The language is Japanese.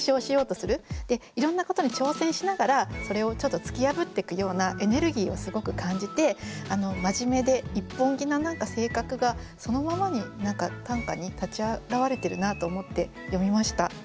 いろんなことに挑戦しながらそれを突き破ってくようなエネルギーをすごく感じて真面目で一本気な性格がそのままに短歌に立ち現れてるなと思って読みました。